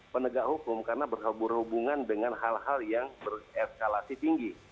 penegak hukum karena berhubungan dengan hal hal yang bereskalasi tinggi